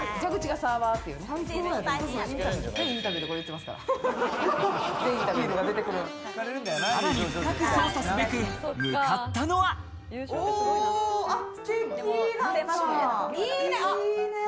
さらに深く捜査すべく向かっいいね。